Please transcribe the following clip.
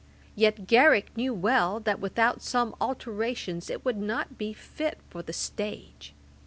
Yet Garrick knew well, that without some alterations it would not be fit for the stage.